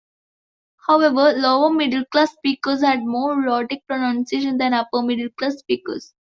However, lower-middle class speakers had more rhotic pronunciation than upper-middle class speakers.